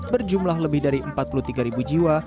berjumlah lebih dari empat puluh tiga jiwa